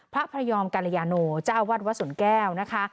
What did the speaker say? พระพระยอมกรยาโนเจ้าวัดวัดสวนแก้วนะคะ